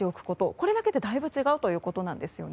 これだけでだいぶ違うということです。